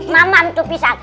mamam tuh pisau